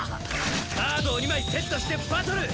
カードを２枚セットしてバトル！